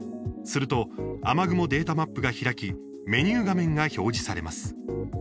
すると、雨雲データマップが開きメニュー画面が表示されます。